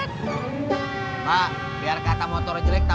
kasih kita juga